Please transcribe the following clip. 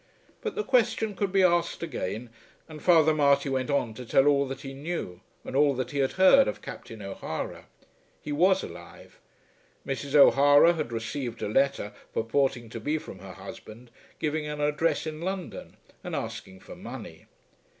But the question could be asked again, and Father Marty went on to tell all that he knew, and all that he had heard of Captain O'Hara. He was alive. Mrs. O'Hara had received a letter purporting to be from her husband, giving an address in London, and asking for money.